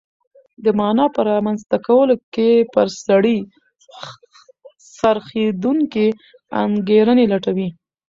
د مانا په رامنځته کولو کې پر سړي څرخېدونکې انګېرنې لټوي.